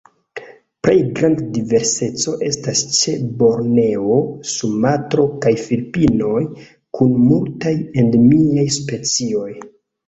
Plej granda diverseco estas ĉe Borneo, Sumatro, kaj Filipinoj, kun multaj endemiaj specioj.